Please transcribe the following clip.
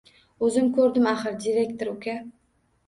O’zim ko’rdim, axir direktor uka